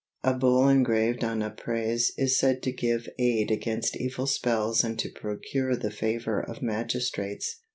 A bull engraved on a prase is said to give aid against evil spells and to procure the favor of magistrates.